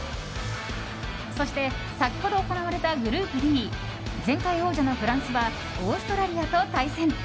そして、先ほど行われたグループＤ前回王者のフランスはオーストラリアと対戦。